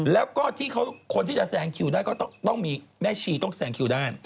แล้วก็ที่คนที่จะแซงคิวได้ก็ต้องมีแม่ชีต้องแซงคิวได้